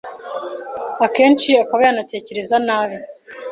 akenshi akaba yanatekereza nabi.